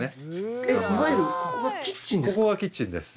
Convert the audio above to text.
いわゆるここがキッチンですか？